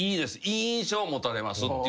「いい印象を持たれます」って。